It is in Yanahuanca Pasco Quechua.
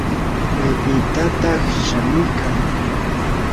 ¿maypitataq shamuykan?